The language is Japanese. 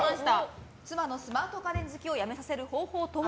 妻のスマート家電好きをやめさせる方法とは？